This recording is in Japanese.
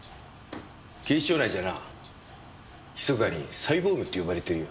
警視庁内じゃなひそかにサイボーグって呼ばれてるよ。